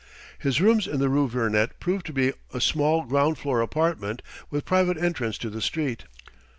His rooms in the rue Vernet proved to be a small ground floor apartment with private entrance to the street.